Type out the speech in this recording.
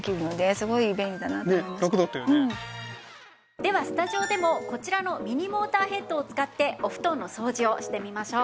ではスタジオでもこちらのミニモーターヘッドを使ってお布団の掃除をしてみましょう。